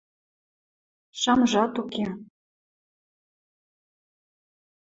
Шамжат уке.